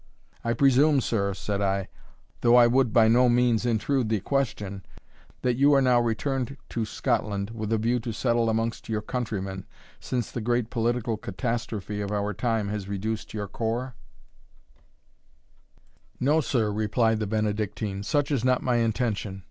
"I presume, sir," said I, "though I would by no means intrude the question, that you are now returned to Scotland with a view to settle amongst your countrymen, since the great political catastrophe of our time has reduced your corps?" "No, sir," replied the Benedictine, "such is not my intention.